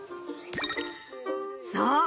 そう！